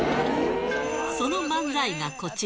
その漫才がこちら。